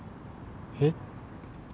えっ？